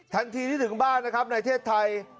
ทันทีที่ถึงบ้านนะครับในเทศไทย